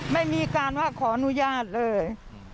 ไม่มีการว่าขออนุญาตเลย